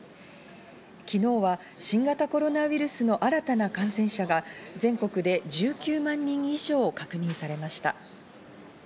昨日は新型コロナウイルスの新たな感染者が全国で１９万人以上確認されました。